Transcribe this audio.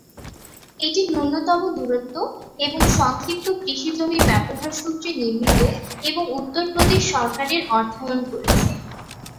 এটি ন্যূনতম দূরত্ব এবং সংক্ষিপ্ত কৃষি জমি ব্যবহার সূত্রে নির্মিত এবং উত্তরপ্রদেশ সরকারের অর্থায়ন করেছে।